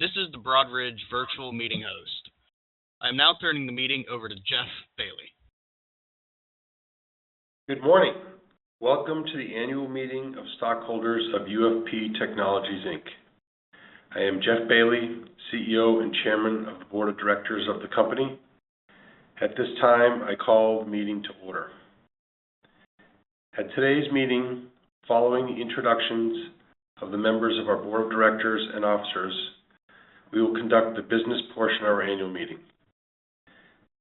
This is the Broadridge virtual meeting host. I am now turning the meeting over to Jeff Bailly. Good morning. Welcome to the annual meeting of stockholders of UFP Technologies, Inc. I am Jeff Bailly, CEO and Chairman of the Board of Directors of the company. At this time, I call the meeting to order. At today's meeting, following the introductions of the members of our board of directors and officers, we will conduct the business portion of our annual meeting.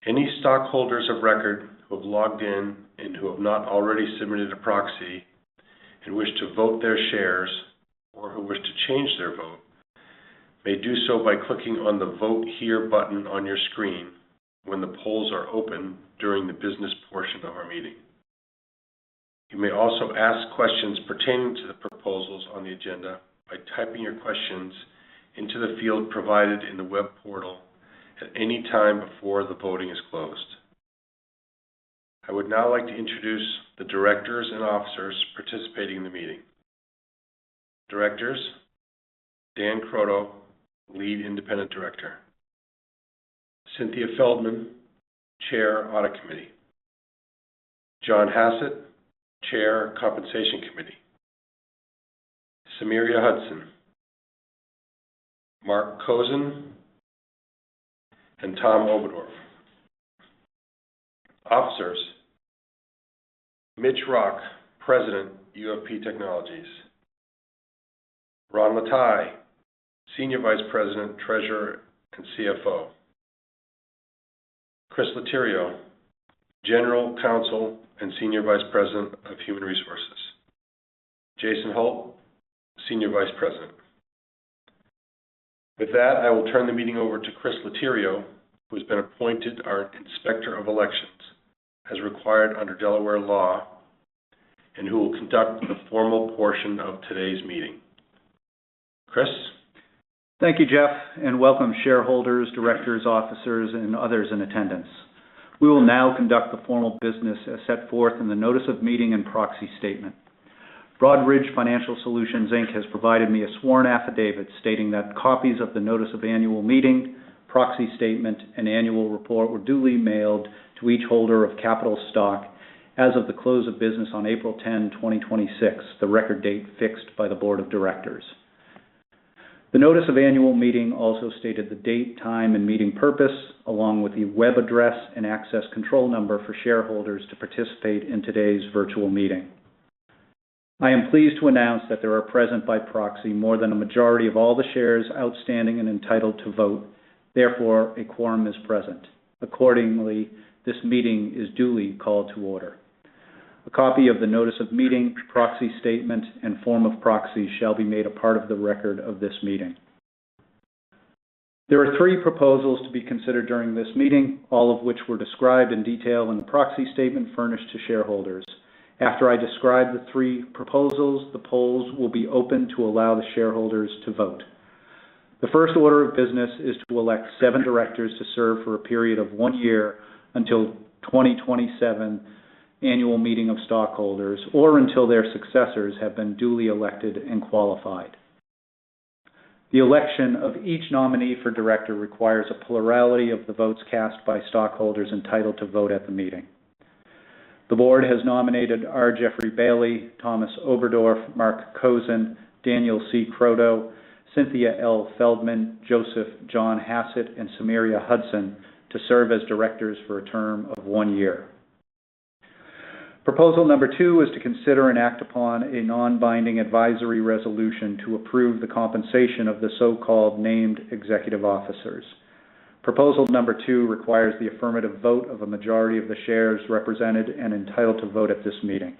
Any stockholders of record who have logged in and who have not already submitted a proxy and wish to vote their shares, or who wish to change their vote, may do so by clicking on the Vote Here button on your screen when the polls are open during the business portion of our meeting. You may also ask questions pertaining to the proposals on the agenda by typing your questions into the field provide d in the web portal at any time before the voting is closed. I would now like to introduce the directors and officers participating in the meeting. Directors, Dan Croteau, Lead Independent Director, Cynthia Feldmann, Chair, Audit Committee, John Hassett, Chair, Compensation Committee, Symeria Hudson, Marc Kozin, and Tom Oberdorf. Officers, Mitch Rock, President, UFP Technologies, Ron Lataille, Senior Vice President, Treasurer, and CFO, Chris Litterio, General Counsel and Senior Vice President of Human Resources, Jason Holt, Senior Vice President. With that, I will turn the meeting over to Chris Litterio, who's been appointed our Inspector of Elections as required under Delaware law, and who will conduct the formal portion of today's meeting. Chris? Thank you, Jeff, and welcome shareholders, directors, officers, and others in attendance. We will now conduct the formal business as set forth in the notice of meeting and proxy statement. Broadridge Financial Solutions, Inc. has provided me a sworn affidavit stating that copies of the notice of annual meeting, proxy statement, and annual report were duly mailed to each holder of capital stock as of the close of business on April 10, 2026, the record date fixed by the Board of Directors. The notice of annual meeting also stated the date, time, and meeting purpose, along with the web address and access control number for shareholders to participate in today's virtual meeting. I am pleased to announce that there are present by proxy more than a majority of all the shares outstanding and entitled to vote, therefore, a quorum is present. Accordingly, this meeting is duly called to order. A copy of the notice of meeting, proxy statement, and form of proxy shall be made a part of the record of this meeting. There are three proposals to be considered during this meeting, all of which were described in detail in the proxy statement furnished to shareholders. After I describe the three proposals, the polls will be open to allow the shareholders to vote. The first order of business is to elect seven directors to serve for a period of one year until 2027 annual meeting of stockholders, or until their successors have been duly elected and qualified. The election of each nominee for director requires a plurality of the votes cast by stockholders entitled to vote at the meeting. The board has nominated R. Jeffrey Bailly, Thomas Oberdorf, Marc Kozin, Daniel C. Croteau, Cynthia L. Feldmann, Joseph John Hassett, and Symeria Hudson to serve as directors for a term of one year. Proposal number two is to consider and act upon a non-binding advisory resolution to approve the compensation of the so-called named executive officers. Proposal number two requires the affirmative vote of a majority of the shares represented and entitled to vote at this meeting.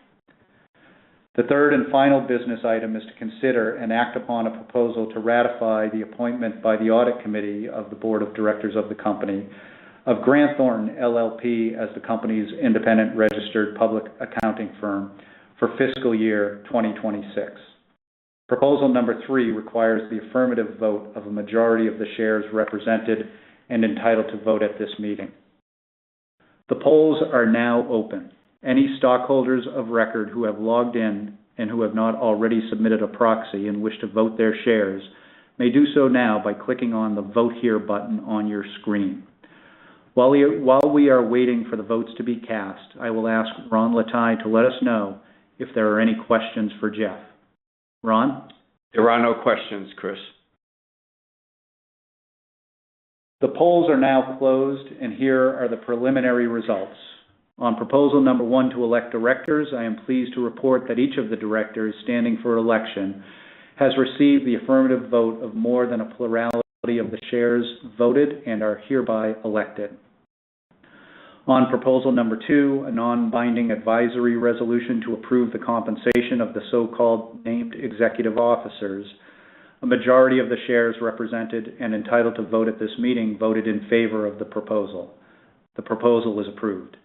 The third and final business item is to consider and act upon a proposal to ratify the appointment by the Audit Committee of the Board of Directors of the Company of Grant Thornton LLP as the company's independent registered public accounting firm for fiscal year 2026. Proposal number three requires the affirmative vote of a majority of the shares represented and entitled to vote at this meeting. The polls are now open. Any stockholders of record who have logged in and who have not already submitted a proxy and wish to vote their shares may do so now by clicking on the Vote Here button on your screen. While we are waiting for the votes to be cast, I will ask Ron Lataille to let us know if there are any questions for Jeff. Ron? There are no questions, Chris. The polls are now closed. Here are the preliminary results. On proposal number one to elect directors, I am pleased to report that each of the directors standing for election has received the affirmative vote of more than a plurality of the shares voted and are hereby elected. On proposal number two, a non-binding advisory resolution to approve the compensation of the so-called named executive officers, a majority of the shares represented and entitled to vote at this meeting voted in favor of the proposal. The proposal is approved.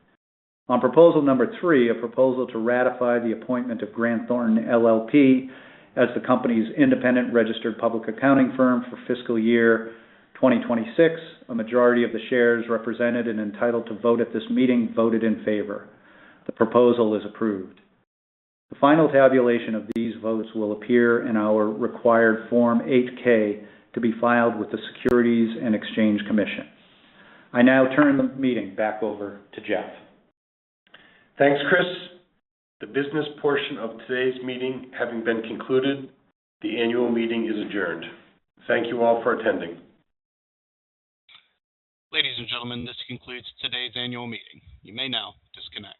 On proposal number three, a proposal to ratify the appointment of Grant Thornton LLP as the company's independent registered public accounting firm for fiscal year 2026, a majority of the shares represented and entitled to vote at this meeting voted in favor. The proposal is approved. The final tabulation of these votes will appear in our required Form 8-K to be filed with the Securities and Exchange Commission. I now turn the meeting back over to Jeff. Thanks, Chris. The business portion of today's meeting having been concluded, the annual meeting is adjourned. Thank you all for attending. Ladies and gentlemen, this concludes today's annual meeting. You may now disconnect.